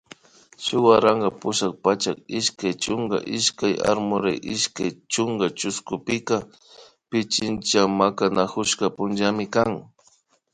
Shuk waranka pusak patsak ishkay chunka ishkay Aymuray ishkay chunka chushkupika Pichincha Makanakurishka punllami kan